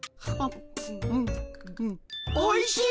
おいしい！